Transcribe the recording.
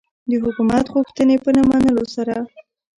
د حکومت غوښتنې په نه منلو سره.